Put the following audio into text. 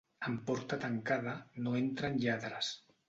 En porta tancada, no entren lladres.